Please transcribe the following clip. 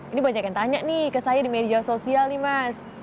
ini banyak yang tanya nih ke saya di media sosial nih mas